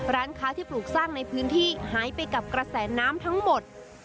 ร้านค้าที่ปลูกสร้างในพื้นที่หายไปกับกระแสน้ำทั้งหมด